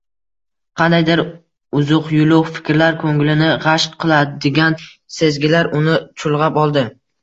Qandaydir uzuq-yuluq fikrlar, ko`nglini g`ash qiladigan sezgilar uni chulg`ab oldi